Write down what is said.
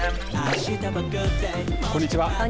こんにちは。